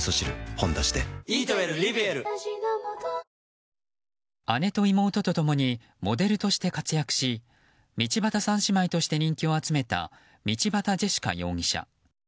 「ほんだし」で姉と妹ともにモデルとして活躍し道端３姉妹として人気を集めた道端ジェシカ容疑者。